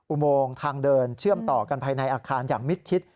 อุโมงทางเดินเชื่อมต่อกันภายในอาคารอย่างมิดชิด